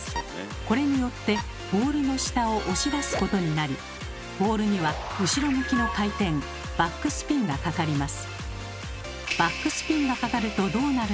これによってボールの下を押し出すことになりボールには後ろ向きの回転バックスピンがかかります。